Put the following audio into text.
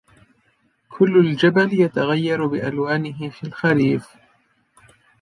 كل الجبل يتغير بألوانه في الخريف.